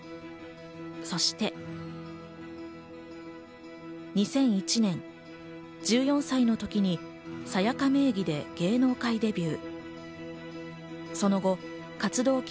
そして、２００１年１４歳の時にＳＡＹＡＫＡ名義で芸能界デビュー。